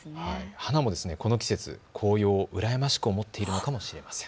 花もこの季節、紅葉を羨ましく思っているかもしれません。